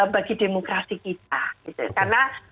bagi demokrasi kita karena